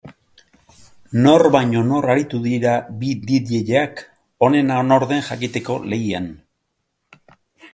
Nor baino nor aritu dira bi dj-ak onena nor den jakiteko lehian.